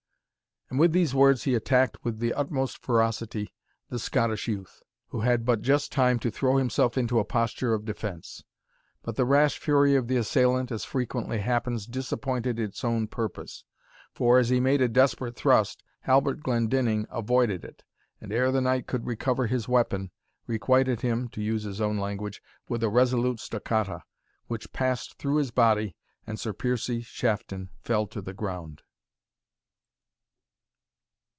And with these words he attacked with the utmost ferocity the Scottish youth, who had but just time to throw himself into a posture of defence. But the rash fury of the assailant, as frequently happens, disappointed its own purpose; for, as he made a desperate thrust, Halbert Glendinning avoided it, and ere the knight could recover his weapon, requited him (to use his own language) with a resolute stoccata, which passed through his body, and Sir Piercie Shafton fell to the ground.